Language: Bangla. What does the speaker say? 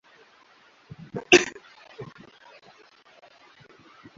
জনতা দলের মনোনয়ন পেতে ব্যর্থ হয়ে তিনি স্বতন্ত্র হয়ে লোকসভায় নির্বাচিত হয়েছিলেন।